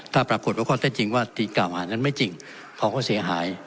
ถ้าปรากฏว่าข้อเท็จจริงว่าที่กล่าวหานั้นไม่จริงเขาก็เสียหาย